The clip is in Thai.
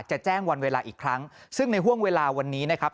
จะแจ้งวันเวลาอีกครั้งซึ่งในห่วงเวลาวันนี้นะครับ